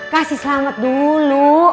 kasih selamat dulu